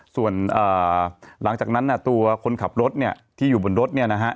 ส่วนหลังจากนั้นตัวคนขับรถที่อยู่บนรถนะฮะ